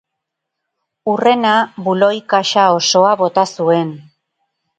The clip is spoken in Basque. Hurrena buloi kaxa osoa bota zuen.